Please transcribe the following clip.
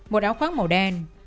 một áo khoác màu đen